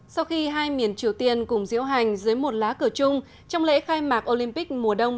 sau khi hai miền triều tiên cùng diễu hành dưới một lá cửa chung trong lễ khai mạc olympic mùa đông